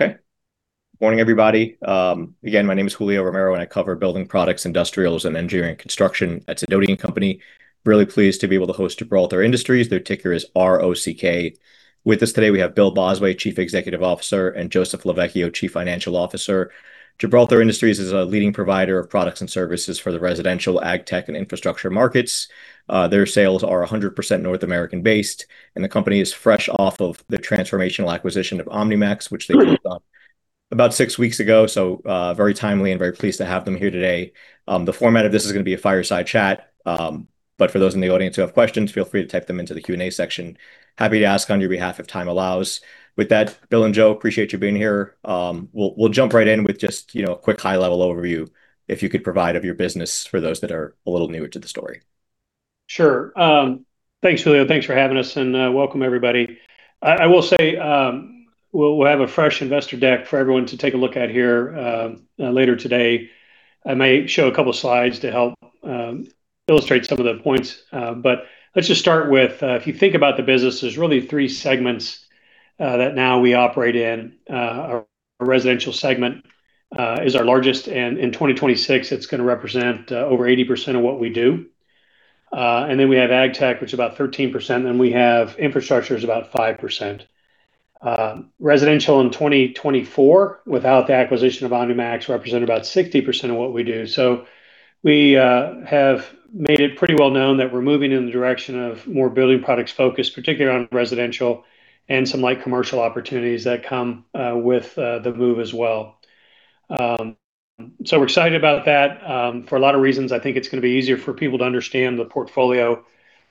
Okay. Morning, everybody. My name is Julio Romero, and I cover building products, industrials, and engineering construction at Sidoti & Company. Really pleased to be able to host Gibraltar Industries. Their ticker is ROCK. With us today, we have Bill Bosway, Chief Executive Officer, and Joseph Lovechio, Chief Financial Officer. Gibraltar Industries is a leading provider of products and services for the residential, ag tech, and infrastructure markets. Their sales are 100% North American-based, and the company is fresh off of the transformational acquisition of OmniMax, which they bought about six weeks ago, very timely and very pleased to have them here today. The format of this is gonna be a fireside chat. For those in the audience who have questions, feel free to type them into the Q&A section. Happy to ask on your behalf if time allows. With that, Bill and Joe, appreciate you being here. We'll jump right in with just, you know, a quick high-level overview, if you could provide, of your business for those that are a little newer to the story. Sure. Thanks, Julio. Thanks for having us, and welcome everybody. We'll have a fresh investor deck for everyone to take a look at here later today. I may show a couple slides to help illustrate some of the points. Let's just start with if you think about the business, there's really three segments that now we operate in. Our residential segment is our largest, and in 2026 it's gonna represent over 80% of what we do. Then we have Agtech, which is about 13%, then we have infrastructure is about 5%. Residential in 2024, without the acquisition of OmniMax, represented about 60% of what we do. We have made it pretty well known that we're moving in the direction of more building products focus, particularly on residential and some light commercial opportunities that come with the move as well. We're excited about that for a lot of reasons. I think it's gonna be easier for people to understand the portfolio.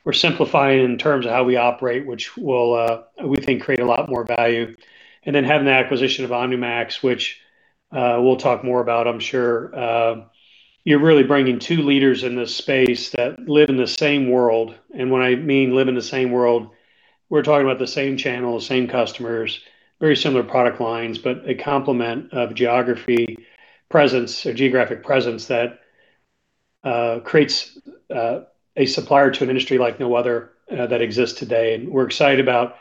We're simplifying in terms of how we operate, which will, we think, create a lot more value. Having the acquisition of OmniMax, which we'll talk more about, I'm sure, you're really bringing two leaders in this space that live in the same world. When I mean live in the same world, we're talking about the same channel, the same customers, very similar product lines. A complement of geography presence or geographic presence that creates a supplier to an industry like no other that exists today. We're excited about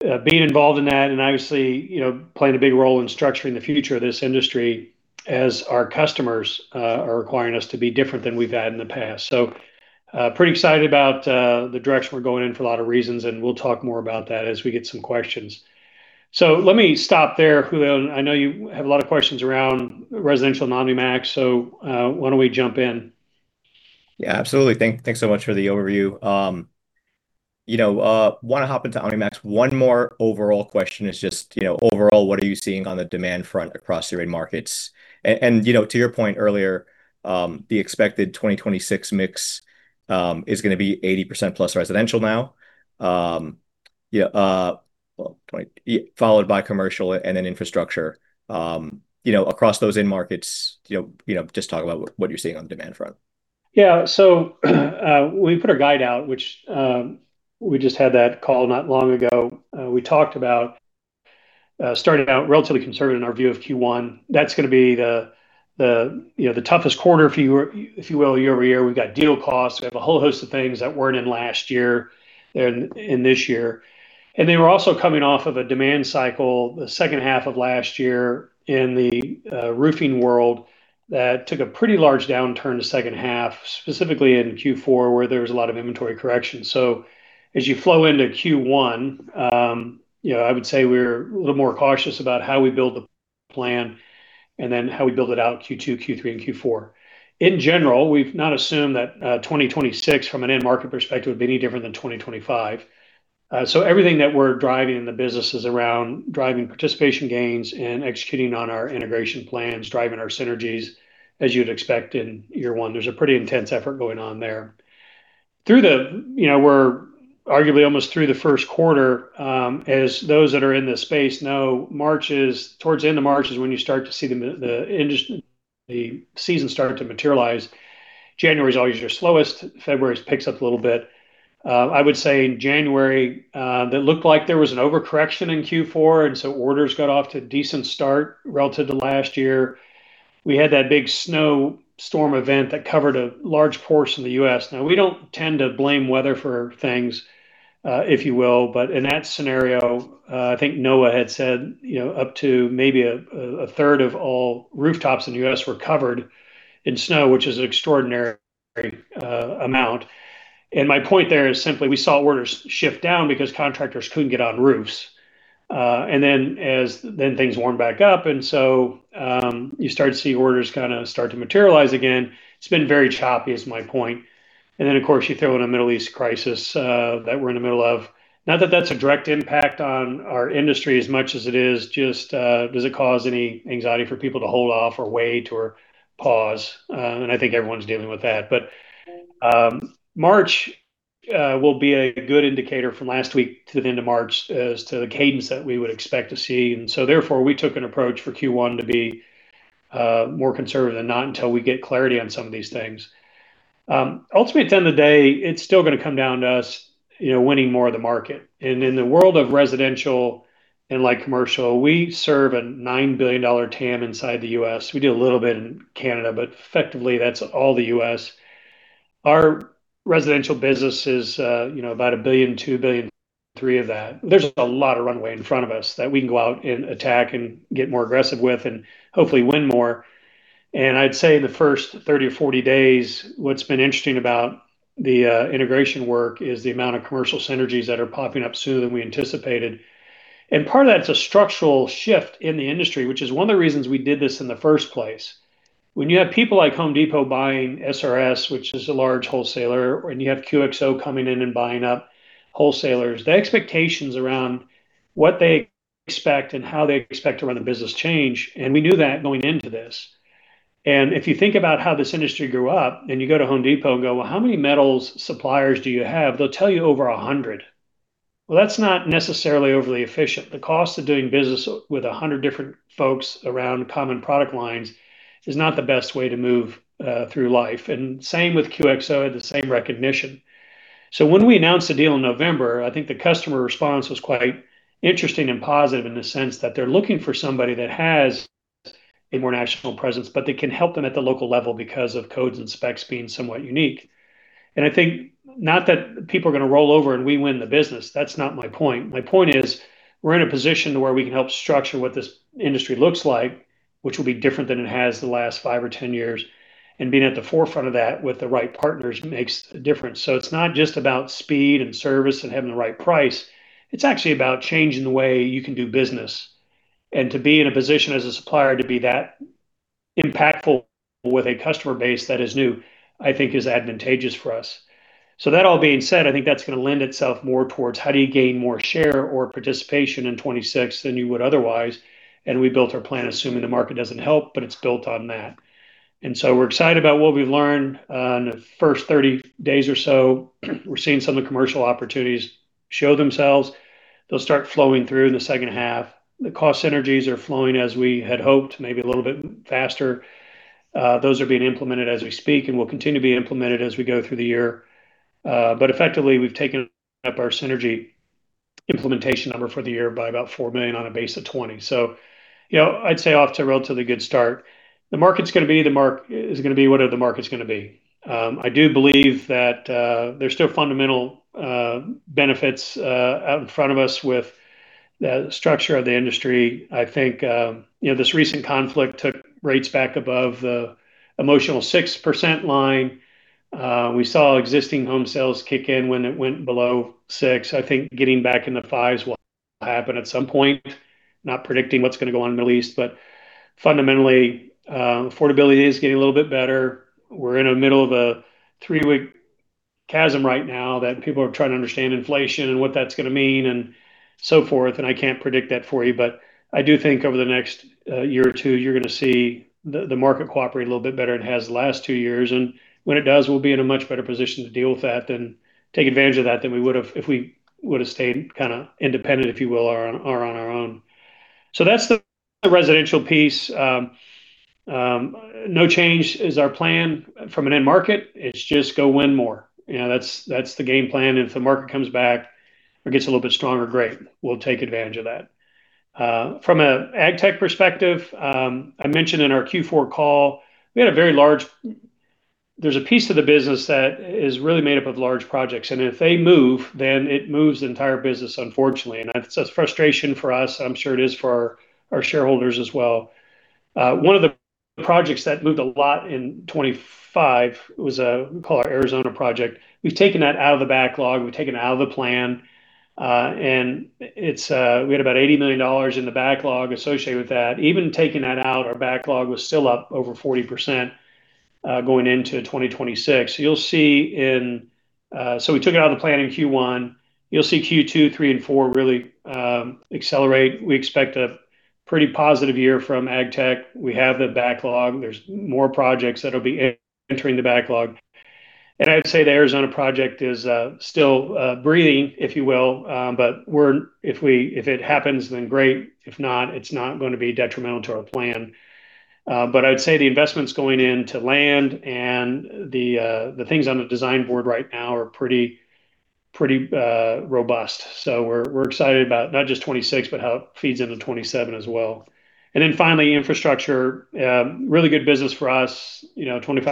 being involved in that and obviously, you know, playing a big role in structuring the future of this industry as our customers are requiring us to be different than we've had in the past. Pretty excited about the direction we're going in for a lot of reasons, and we'll talk more about that as we get some questions. Let me stop there, Julio. I know you have a lot of questions around residential and OmniMax, so why don't we jump in? Yeah, absolutely. Thanks so much for the overview. You know, wanna hop into OmniMax. One more overall question is just, you know, overall, what are you seeing on the demand front across your end markets? To your point earlier, the expected 2026 mix is gonna be 80%+ residential now. Followed by commercial and then infrastructure. You know, across those end markets, you know, just talk about what you're seeing on the demand front. Yeah. When we put our guide out, which, we just had that call not long ago, we talked about, starting out relatively conservative in our view of Q1. That's gonna be the, you know, the toughest quarter, if you will, year-over-year. We've got deal costs. We have a whole host of things that weren't in last year and in this year. We're also coming off of a demand cycle the second half of last year in the roofing world that took a pretty large downturn the second half, specifically in Q4, where there was a lot of inventory correction. As you flow into Q1, you know, I would say we're a little more cautious about how we build the plan and then how we build it out Q2, Q3, and Q4. In general, we've not assumed that, 2026, from an end market perspective, would be any different than 2025. Everything that we're driving in the business is around driving participation gains and executing on our integration plans, driving our synergies, as you'd expect in year one. There's a pretty intense effort going on there. You know, we're arguably almost through the first quarter. As those that are in this space know, towards the end of March is when you start to see the season start to materialize. January's always your slowest. February's picks up a little bit. I would say in January, that looked like there was an overcorrection in Q4, and so orders got off to a decent start relative to last year. We had that big snow storm event that covered a large portion of the U.S. Now, we don't tend to blame weather for things, if you will. But in that scenario, I think NOAA had said, you know, up to maybe a third of all rooftops in the U.S. were covered in snow, which is an extraordinary amount. My point there is simply, we saw orders shift down because contractors couldn't get on roofs. Then things warm back up, and so you start to see orders kinda start to materialize again. It's been very choppy, is my point. Then, of course, you throw in a Middle East crisis that we're in the middle of. Not that that's a direct impact on our industry as much as it is just, does it cause any anxiety for people to hold off or wait or pause? I think everyone's dealing with that. March will be a good indicator from last week to the end of March as to the cadence that we would expect to see. We took an approach for Q1 to be more conservative than not until we get clarity on some of these things. Ultimately, at the end of the day, it's still gonna come down to us, you know, winning more of the market. In the world of residential and light commercial, we serve a $9 billion TAM inside the U.S. We do a little bit in Canada, but effectively that's all the U.S. Our residential business is, you know, about $1 billion-$3 billion of that. There's a lot of runway in front of us that we can go out and attack and get more aggressive with and hopefully win more. I'd say the first 30 or 40 days, what's been interesting about the integration work is the amount of commercial synergies that are popping up sooner than we anticipated. Part of that's a structural shift in the industry, which is one of the reasons we did this in the first place. When you have people like Home Depot buying SRS, which is a large wholesaler, and you have QXO coming in and buying up wholesalers, the expectations around what they expect and how they expect to run a business change, and we knew that going into this. If you think about how this industry grew up, and you go to Home Depot and go, "Well, how many metals suppliers do you have?" They'll tell you over 100. Well, that's not necessarily overly efficient. The cost of doing business with 100 different folks around common product lines is not the best way to move through life. Same with QXO had the same recognition. When we announced the deal in November, I think the customer response was quite interesting and positive in the sense that they're looking for somebody that has a more national presence, but that can help them at the local level because of codes and specs being somewhat unique. I think not that people are gonna roll over and we win the business. That's not my point. My point is we're in a position to where we can help structure what this industry looks like, which will be different than it has the last 5 or 10 years. Being at the forefront of that with the right partners makes a difference. It's not just about speed and service and having the right price, it's actually about changing the way you can do business. To be in a position as a supplier to be that impactful with a customer base that is new, I think is advantageous for us. That all being said, I think that's gonna lend itself more towards how do you gain more share or participation in 2026 than you would otherwise. We built our plan assuming the market doesn't help, but it's built on that. We're excited about what we've learned in the first 30 days or so. We're seeing some of the commercial opportunities show themselves. They'll start flowing through in the second half. The cost synergies are flowing as we had hoped, maybe a little bit faster. Those are being implemented as we speak and will continue to be implemented as we go through the year. Effectively, we've taken up our synergy implementation number for the year by about $4 million on a base of $20 million. You know, I'd say off to a relatively good start. It's gonna be whatever the market's gonna be. I do believe that there's still fundamental benefits out in front of us with the structure of the industry. I think, you know, this recent conflict took rates back above the emotional 6% line. We saw existing home sales kick in when it went below 6%. I think getting back in the 5s will happen at some point, not predicting what's gonna go on in the Middle East, but fundamentally, affordability is getting a little bit better. We're in the middle of a three-week calm right now that people are trying to understand inflation and what that's gonna mean and so forth, and I can't predict that for you. I do think over the next year or two, you're gonna see the market cooperate a little bit better than it has the last two years. When it does, we'll be in a much better position to deal with that and take advantage of that than we would have if we would have stayed kinda independent, if you will, or on our own. That's the residential piece. No change is our plan from an end market. It's just go win more. You know, that's the game plan. If the market comes back or gets a little bit stronger, great. We'll take advantage of that. From an Agtech perspective, I mentioned in our Q4 call, there's a piece of the business that is really made up of large projects, and if they move, then it moves the entire business, unfortunately. That's a frustration for us. I'm sure it is for our shareholders as well. One of the projects that moved a lot in 2025 was, we call our Arizona project. We've taken that out of the backlog. We've taken it out of the plan. And it's we had about $80 million in the backlog associated with that. Even taking that out, our backlog was still up over 40%, going into 2026. You'll see. We took it out of the plan in Q1. You'll see Q2, Q3, and Q4 really accelerate. We expect a pretty positive year from Agtech. We have the backlog. There's more projects that'll be entering the backlog. I'd say the Arizona project is still breathing, if you will. If it happens, then great. If not, it's not gonna be detrimental to our plan. I'd say the investments going into land and the things on the design board right now are pretty robust. We're excited about not just 2026, but how it feeds into 2027 as well. Finally, infrastructure really good business for us. You know, 25%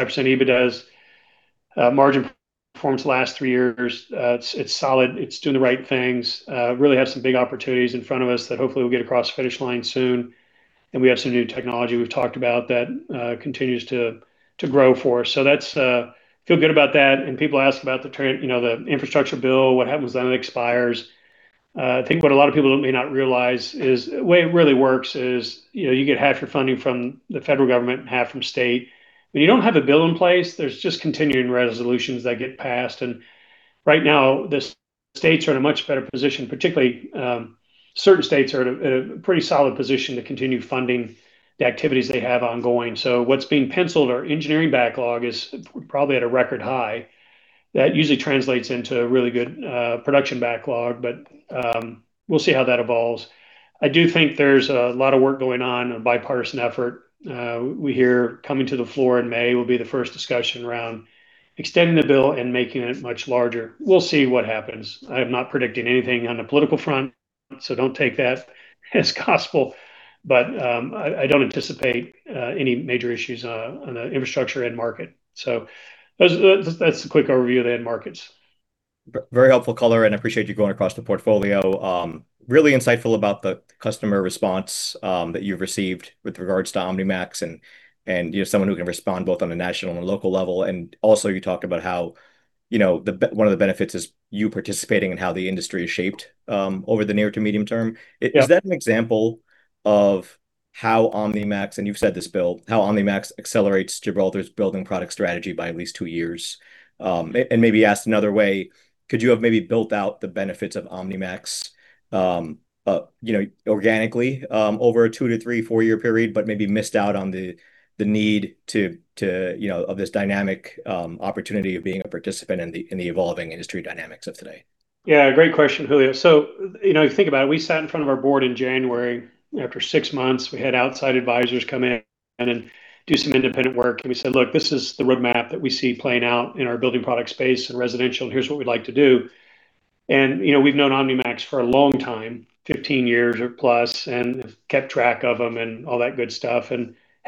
EBITDA margin performance the last three years. It's solid. It's doing the right things. Really have some big opportunities in front of us that hopefully will get across the finish line soon. We have some new technology we've talked about that continues to grow for us. So that's feel good about that. People ask about you know, the infrastructure bill, what happens when it expires. I think what a lot of people may not realize is the way it really works is, you know, you get half your funding from the federal government and half from state. When you don't have a bill in place, there's just continuing resolutions that get passed. Right now, the states are in a much better position, particularly, certain states are at a pretty solid position to continue funding the activities they have ongoing. So what's being penciled, our engineering backlog is probably at a record high. That usually translates into a really good production backlog, but we'll see how that evolves. I do think there's a lot of work going on, a bipartisan effort, we hear coming to the floor in May will be the first discussion around extending the bill and making it much larger. We'll see what happens. I am not predicting anything on the political front, so don't take that as gospel. I don't anticipate any major issues on the infrastructure end market. That's a quick overview of the end markets. Very helpful color, and I appreciate you going across the portfolio. Really insightful about the customer response that you've received with regards to OmniMax and you're someone who can respond both on a national and a local level. Also you talk about how, you know, one of the benefits is you participating and how the industry is shaped over the near to medium term. Yeah. Is that an example of how OmniMax, and you've said this, Bill, how OmniMax accelerates Gibraltar's building product strategy by at least two years? Maybe asked another way, could you have maybe built out the benefits of OmniMax, you know, organically, over a two- to three- or four-year period, but maybe missed out on the need to, you know, of this dynamic opportunity of being a participant in the evolving industry dynamics of today? Yeah, great question, Julio. You know, if you think about it, we sat in front of our board in January. After six months, we had outside advisors come in and do some independent work, and we said, "Look, this is the roadmap that we see playing out in our building product space and residential, and here's what we'd like to do." You know, we've known OmniMax for a long time, 15 years or plus, and kept track of them and all that good stuff,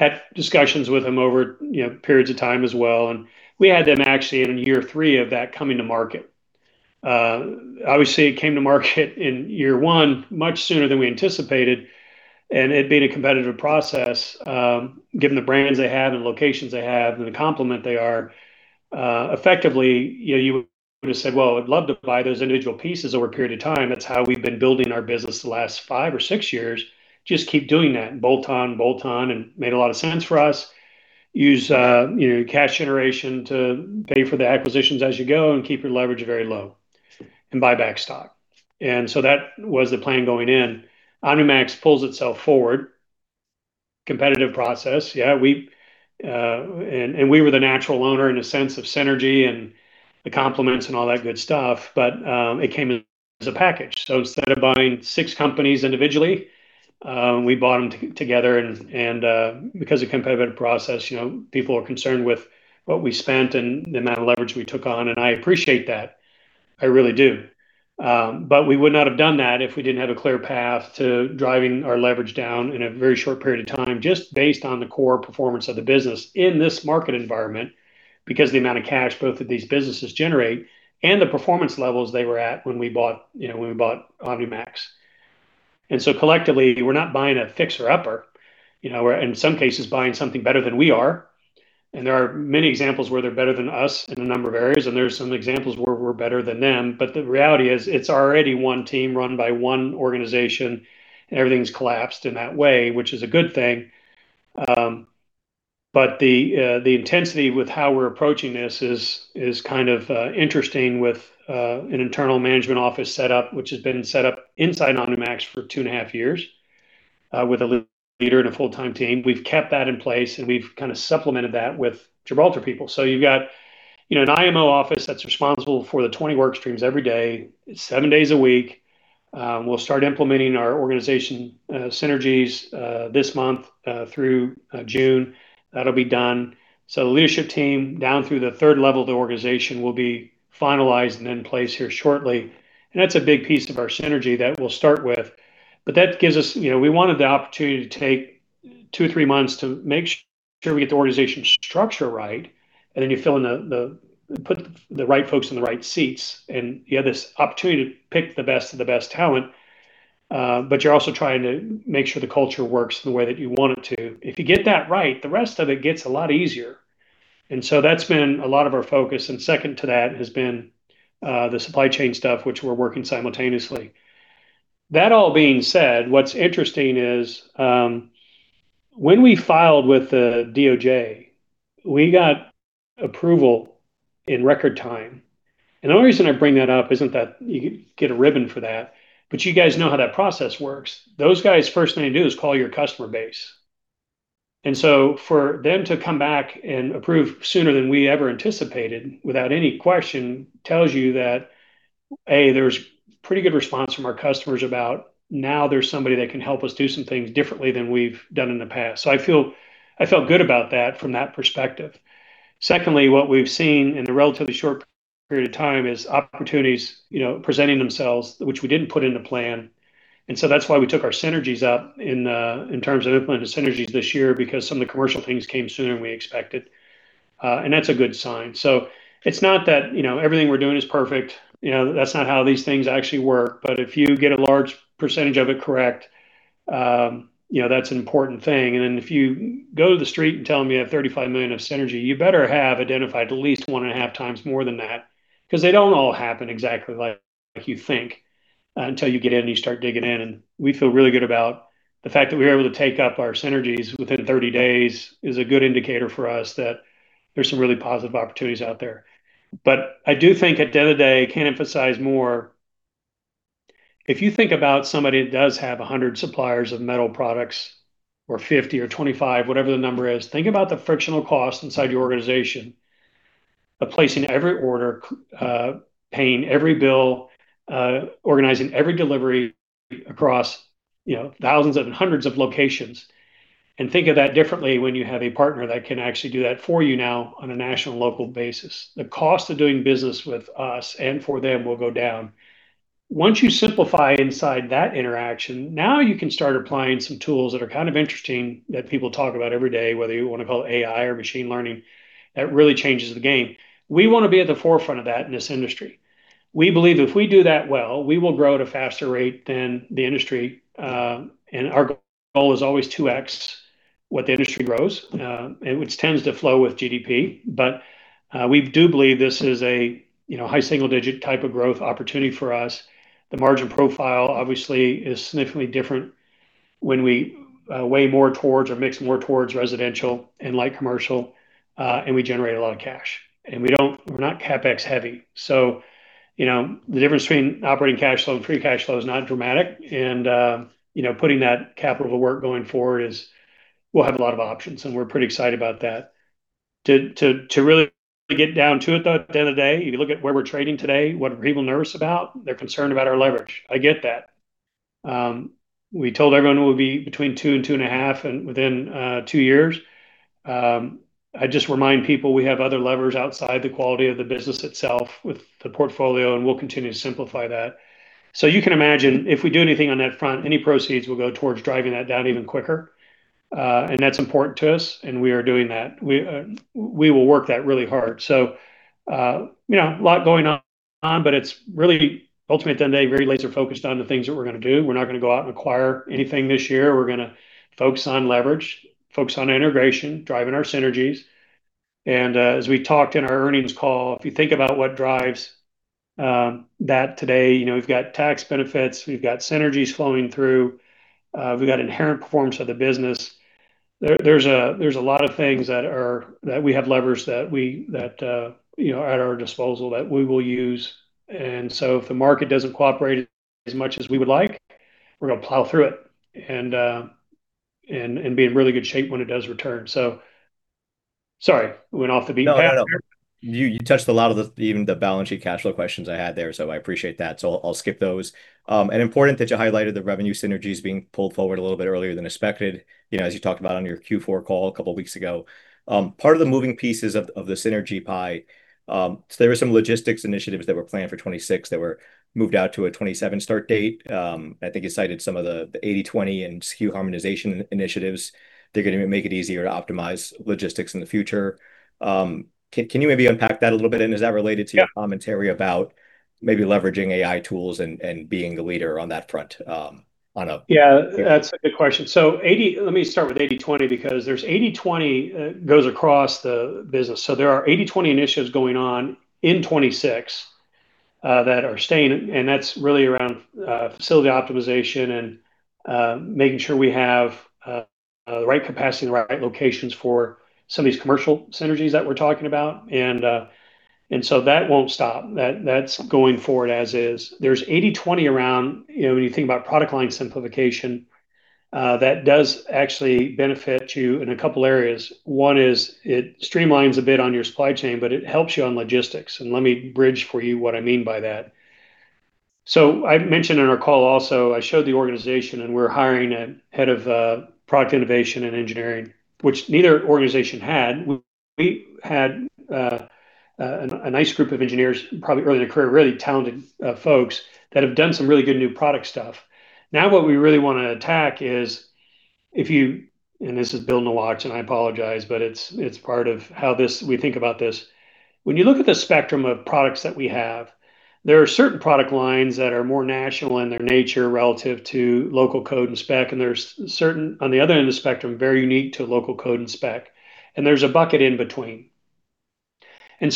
and had discussions with them over, you know, periods of time as well. We had them actually in year three of that coming to market. Obviously it came to market in year one much sooner than we anticipated. It being a competitive process, given the brands they have and locations they have and the complement they are, effectively, you know, you would've said, "Well, I'd love to buy those individual pieces over a period of time." That's how we've been building our business the last five or six years. Just keep doing that, bolt on, bolt on, and made a lot of sense for us. Use you know, cash generation to pay for the acquisitions as you go and keep your leverage very low and buy back stock. That was the plan going in. OmniMax pulls itself forward. Competitive process. Yeah, we were the natural owner in a sense of synergy and the complements and all that good stuff. It came as a package. Instead of buying six companies individually, we bought them together and because of competitive process, you know, people are concerned with what we spent and the amount of leverage we took on, and I appreciate that. I really do. We would not have done that if we didn't have a clear path to driving our leverage down in a very short period of time, just based on the core performance of the business in this market environment, because the amount of cash both of these businesses generate and the performance levels they were at when we bought, you know, when we bought OmniMax. Collectively, we're not buying a fixer-upper. You know, we're in some cases buying something better than we are, and there are many examples where they're better than us in a number of areas, and there are some examples where we're better than them. The reality is it's already one team run by one organization, and everything's collapsed in that way, which is a good thing. The intensity with how we're approaching this is kind of interesting with an internal management office set up, which has been set up inside OmniMax for two and a half years, with a leader and a full-time team. We've kept that in place, and we've kind of supplemented that with Gibraltar people. You've got, you know, an IMO office that's responsible for the 20 work streams every day, seven days a week. We'll start implementing our organizational synergies this month through June. That'll be done. The leadership team down through the third level of the organization will be finalized and in place here shortly. That's a big piece of our synergy that we'll start with. That gives us. You know, we wanted the opportunity to take two, three months to make sure we get the organizational structure right, and then you put the right folks in the right seats, and you have this opportunity to pick the best of the best talent, but you're also trying to make sure the culture works the way that you want it to. If you get that right, the rest of it gets a lot easier. That's been a lot of our focus, and second to that has been the supply chain stuff, which we're working simultaneously. That all being said, what's interesting is, when we filed with the DOJ, we got approval in record time. The only reason I bring that up isn't that you get a ribbon for that, but you guys know how that process works. Those guys, first thing they do is call your customer base. For them to come back and approve sooner than we ever anticipated without any question tells you that there's pretty good response from our customers about, now there's somebody that can help us do some things differently than we've done in the past. I felt good about that from that perspective. Secondly, what we've seen in the relatively short period of time is opportunities, you know, presenting themselves, which we didn't put in the plan. That's why we took our synergies up in terms of implementing synergies this year because some of the commercial things came sooner than we expected. That's a good sign. It's not that, you know, everything we're doing is perfect. You know, that's not how these things actually work. If you get a large percentage of it correct, you know, that's an important thing. Then if you go to the street and tell them you have $35 million of synergy, you better have identified at least one and a half times more than that, 'cause they don't all happen exactly like you think, until you get in and you start digging in. We feel really good about the fact that we were able to take up our synergies within 30 days. [That] is a good indicator for us that there's some really positive opportunities out there. I do think at the end of the day, can't emphasize more, if you think about somebody that does have 100 suppliers of metal products or 50 or 25, whatever the number is, think about the frictional cost inside your organization of placing every order, paying every bill, organizing every delivery across, you know, thousands and hundreds of locations. Think of that differently when you have a partner that can actually do that for you now on a national and local basis. The cost of doing business with us and for them will go down. Once you simplify inside that interaction, now you can start applying some tools that are kind of interesting that people talk about every day, whether you want to call it AI or machine learning, that really changes the game. We want to be at the forefront of that in this industry. We believe if we do that well, we will grow at a faster rate than the industry. Our goal is always to exceed what the industry grows, and which tends to flow with GDP. We do believe this is a, you know, high single digit type of growth opportunity for us. The margin profile obviously is significantly different when we weigh more towards or mix more towards residential and light commercial, and we generate a lot of cash. We're not CapEx heavy. You know, the difference between operating cash flow and free cash flow is not dramatic and, you know, putting that capital to work going forward is we'll have a lot of options, and we're pretty excited about that. To really get down to it at the end of the day, if you look at where we're trading today, what are people nervous about? They're concerned about our leverage. I get that. We told everyone it would be between two and 2.5 and within two years. I just remind people we have other levers outside the quality of the business itself with the portfolio, and we'll continue to simplify that. You can imagine if we do anything on that front, any proceeds will go towards driving that down even quicker. That's important to us and we are doing that. We will work that really hard. You know, a lot going on, but it's really ultimately end of day very laser-focused on the things that we're gonna do. We're not gonna go out and acquire anything this year. We're gonna focus on leverage, focus on integration, driving our synergies. As we talked in our earnings call, if you think about what drives that today, you know, we've got tax benefits, we've got synergies flowing through, we've got inherent performance of the business. There's a lot of things that we have levers that we, you know, at our disposal that we will use. If the market doesn't cooperate as much as we would like, we're gonna plow through it and be in really good shape when it does return. Sorry, went off the beaten path there. No. You touched a lot of the even the balance sheet cash flow questions I had there, so I appreciate that. I'll skip those. Important that you highlighted the revenue synergies being pulled forward a little bit earlier than expected, you know, as you talked about on your Q4 call a couple of weeks ago. Part of the moving pieces of the synergy pie, there were some logistics initiatives that were planned for 2026 that were moved out to a 2027 start date. I think you cited some of the 80/20 and SKU harmonization initiatives. They're gonna make it easier to optimize logistics in the future. Can you maybe unpack that a little bit? Is that related to? Yeah your commentary about maybe leveraging AI tools and being the leader on that front, on a- Yeah, that's a good question. Let me start with 80/20 because there's 80/20 goes across the business. There are 80/20 initiatives going on in 2026 that are staying, and that's really around facility optimization and making sure we have the right capacity in the right locations for some of these commercial synergies that we're talking about. And so that won't stop. That's going forward as is. There's 80/20 around, you know, when you think about product line simplification that does actually benefit you in a couple of areas. One is it streamlines a bit on your supply chain, but it helps you on logistics. Let me bridge for you what I mean by that. I mentioned in our call also. I showed the organization and we're hiring a head of product innovation and engineering, which neither organization had. We had a nice group of engineers, probably early in their career, really talented, folks that have done some really good new product stuff. Now, what we really wanna attack is this is building the watch, and I apologize, but it's part of how we think about this. When you look at the spectrum of products that we have, there are certain product lines that are more national in their nature relative to local code and spec, and there's certain, on the other end of the spectrum, very unique to local code and spec. There's a bucket in between.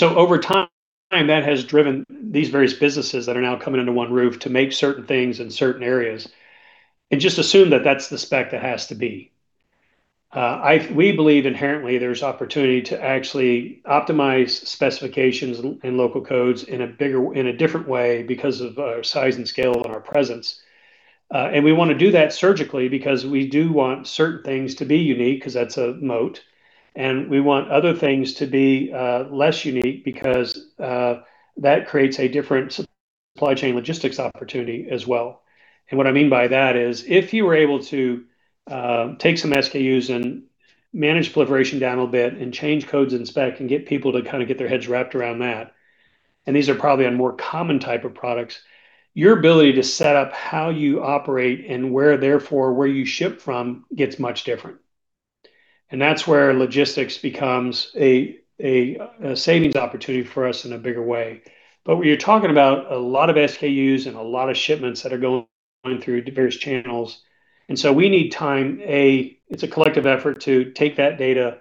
Over time, that has driven these various businesses that are now coming under one roof to make certain things in certain areas and just assume that that's the spec that has to be. We believe inherently there's opportunity to actually optimize specifications and local codes in a different way because of our size and scale and our presence. We wanna do that surgically because we do want certain things to be unique because that's a moat, and we want other things to be less unique because that creates a different supply chain logistics opportunity as well. What I mean by that is, if you were able to take some SKUs and manage proliferation down a bit and change codes and spec and get people to kinda get their heads wrapped around that, and these are probably on more common type of products, your ability to set up how you operate and where therefore, where you ship from gets much different. That's where logistics becomes a savings opportunity for us in a bigger way. When you're talking about a lot of SKUs and a lot of shipments that are going through various channels, and so we need time. It's a collective effort to take that data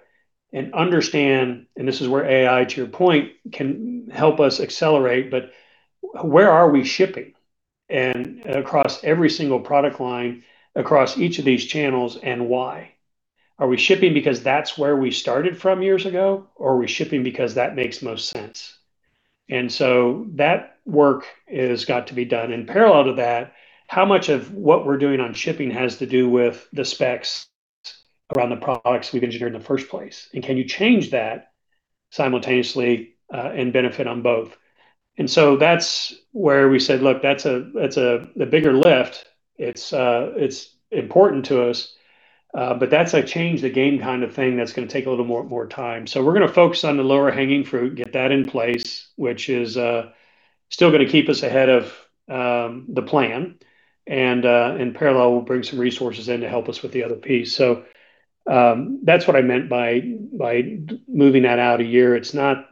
and understand, and this is where AI, to your point, can help us accelerate. Where are we shipping and across every single product line, across each of these channels, and why? Are we shipping because that's where we started from years ago, or are we shipping because that makes most sense? That work has got to be done. Parallel to that, how much of what we're doing on shipping has to do with the specs around the products we've engineered in the first place, and can you change that simultaneously and benefit on both? That's where we said, "Look, that's a bigger lift. It's important to us, but that's a change the game kind of thing that's gonna take a little more time." We're gonna focus on the lower hanging fruit, get that in place, which is still gonna keep us ahead of the plan. In parallel, we'll bring some resources in to help us with the other piece. That's what I meant by moving that out a year. It's not.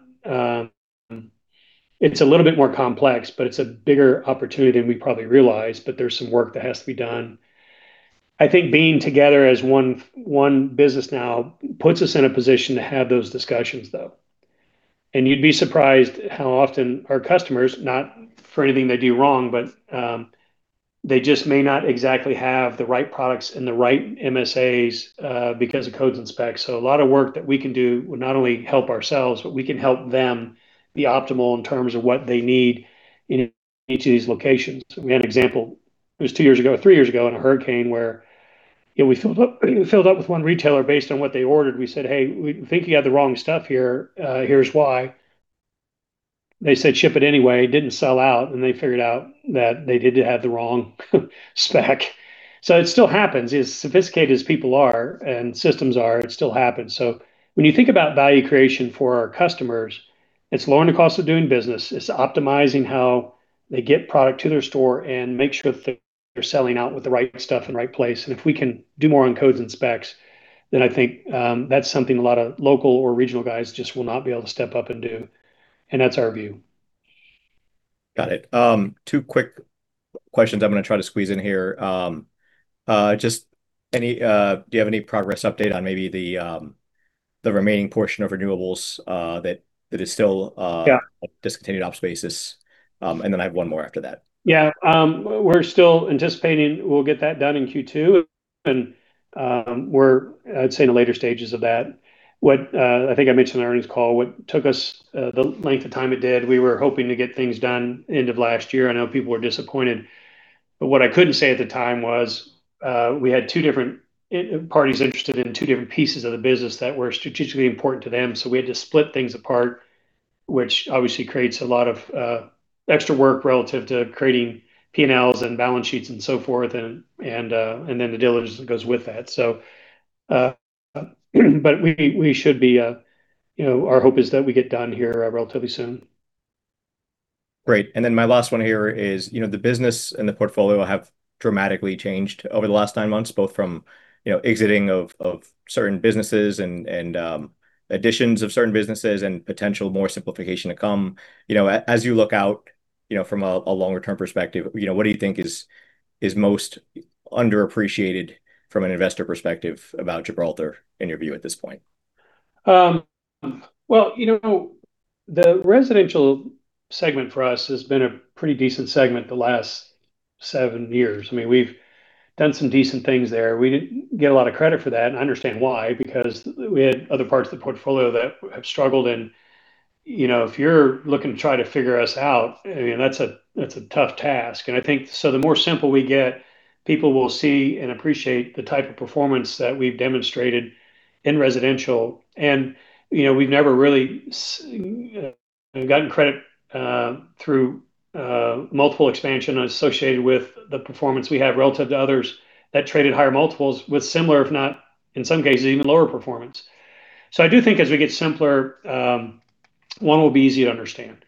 It's a little bit more complex, but it's a bigger opportunity than we probably realized, but there's some work that has to be done. I think being together as one business now puts us in a position to have those discussions, though. You'd be surprised how often our customers, not for anything they do wrong, but they just may not exactly have the right products and the right MSAs because of codes and specs. A lot of work that we can do will not only help ourselves, but we can help them be optimal in terms of what they need in each of these locations. We had an example. It was two years ago, three years ago in a hurricane where, you know, we filled up with one retailer based on what they ordered. We said, "Hey, we think you have the wrong stuff here. Here's why." They said, "Ship it anyway." Didn't sell out, and they figured out that they did have the wrong spec. It still happens. As sophisticated as people are and systems are, it still happens. When you think about value creation for our customers, it's lowering the cost of doing business. It's optimizing how they get product to their store and make sure that they're selling out with the right stuff and right place. If we can do more on codes and specs, then I think that's something a lot of local or regional guys just will not be able to step up and do, and that's our view. Got it. Two quick questions I'm gonna try to squeeze in here. Just any, do you have any progress update on maybe the remaining portion of renewables that is still? Yeah discontinued ops basis? I have one more after that. Yeah. We're still anticipating we'll get that done in Q2, and we're, I'd say, in the later stages of that. What I think I mentioned in the earnings call, what took us the length of time it did, we were hoping to get things done end of last year. I know people were disappointed. What I couldn't say at the time was we had two different parties interested in two different pieces of the business that were strategically important to them, so we had to split things apart, which obviously creates a lot of extra work relative to creating P&Ls and balance sheets and so forth, and then the diligence that goes with that. We should be, you know, our hope is that we get done here relatively soon. Great. My last one here is, you know, the business and the portfolio have dramatically changed over the last nine months, both from, you know, exiting of certain businesses and additions of certain businesses and potential more simplification to come. You know, as you look out, you know, from a longer term perspective, you know, what do you think is most underappreciated from an investor perspective about Gibraltar in your view at this point? Well, you know, the residential segment for us has been a pretty decent segment the last seven years. I mean, we've done some decent things there. We didn't get a lot of credit for that, and I understand why, because we had other parts of the portfolio that have struggled and, you know, if you're looking to try to figure us out, I mean, that's a tough task. I think so the more simple we get, people will see and appreciate the type of performance that we've demonstrated in residential. You know, we've never really gotten credit through multiple expansion associated with the performance we have relative to others that traded higher multiples with similar, if not, in some cases, even lower performance. I do think as we get simpler, one, we'll be easy to understand.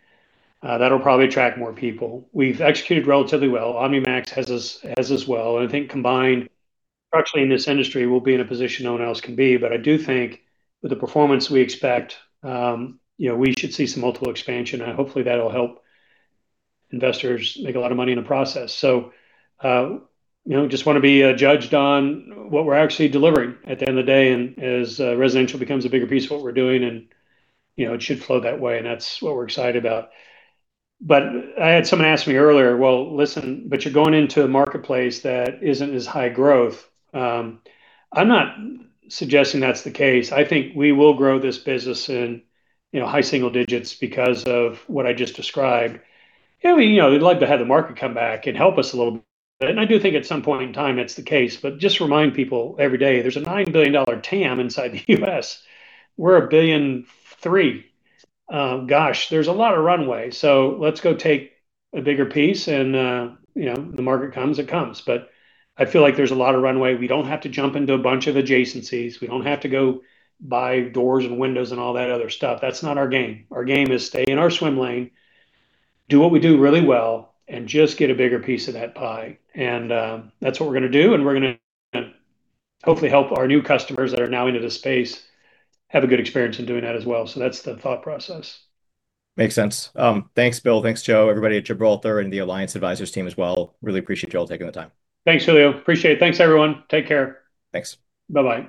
That'll probably attract more people. We've executed relatively well. OmniMax has as well, and I think combined structurally in this industry, we'll be in a position no one else can be. I do think with the performance we expect, you know, we should see some multiple expansion, and hopefully that'll help investors make a lot of money in the process. You know, just wanna be judged on what we're actually delivering at the end of the day and as residential becomes a bigger piece of what we're doing and, you know, it should flow that way, and that's what we're excited about. I had someone ask me earlier, "Well, listen, but you're going into a marketplace that isn't as high growth." I'm not suggesting that's the case. I think we will grow this business in, you know, high single digits% because of what I just described. Yeah, we, you know, we'd like to have the market come back and help us a little bit, and I do think at some point in time that's the case. Just remind people every day, there's a $9 billion TAM inside the U.S. We're $1.3 billion. Gosh, there's a lot of runway. Let's go take a bigger piece and, you know, the market comes, it comes. I feel like there's a lot of runway. We don't have to jump into a bunch of adjacencies. We don't have to go buy doors and windows and all that other stuff. That's not our game. Our game is stay in our swim lane, do what we do really well, and just get a bigger piece of that pie. That's what we're gonna do, and we're gonna hopefully help our new customers that are now into the space have a good experience in doing that as well. That's the thought process. Makes sense. Thanks, Bill. Thanks, Joe. Everybody at Gibraltar and the Alliance Advisors team as well, really appreciate you all taking the time. Thanks, Julio. Appreciate it. Thanks, everyone. Take care. Thanks. Bye-bye.